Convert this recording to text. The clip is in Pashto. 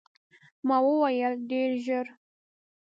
ما وویل، ډېر ژر.